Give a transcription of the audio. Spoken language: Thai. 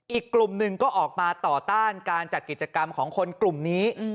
อีกกลุ่มหนึ่งก็ออกมาต่อต้านการจัดกิจกรรมของคนกลุ่มนี้